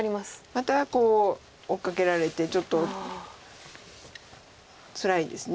また追っかけられてちょっとつらいです。